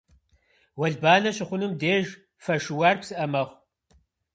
Уэлбанэ щыхъунум и деж фэ шыуар псыӏэ мэхъу.